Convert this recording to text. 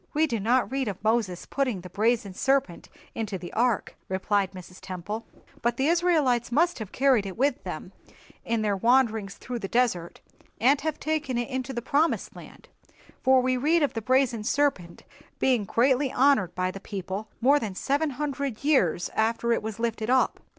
"We do not read of Moses putting the brazen serpent into the ark," replied Mrs. Temple; "but the Israelites must have carried it with them in their wanderings through the desert, and have taken it into the Promised Land, for we read of the brazen serpent being greatly honored by the people more than seven hundred years after it was lifted up."